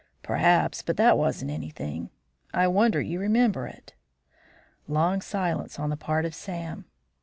"Perhaps; but that wasn't anything. I wonder you remember it." Long silence on the part of Sam.